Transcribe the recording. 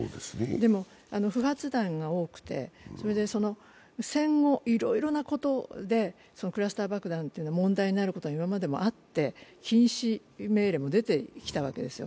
でも、不発弾が多くて戦後、いろいろなことでクラスター爆弾っていうのは問題になることが今までもあって禁止命令も出てきたわけですよ。